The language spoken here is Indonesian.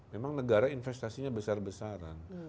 memang negara investasinya besar besaran